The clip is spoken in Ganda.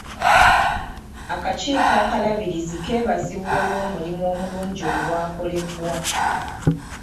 Akakiiko akalabirizi kebazibwa olw'omulimu omulungi ogwakolebwa.